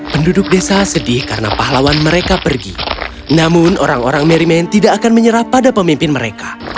penduduk desa sedih karena pahlawan mereka pergi namun orang orang mery man tidak akan menyerah pada pemimpin mereka